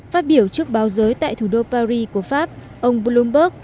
phát biểu trước báo giới tại thủ đô paris của pháp ông bloomberg